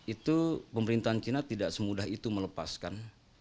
itu pemerintahan china tidak semudah itu melepaskan